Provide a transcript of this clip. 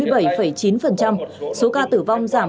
tuy nhiên số ca tử vong giảm bốn mươi bảy một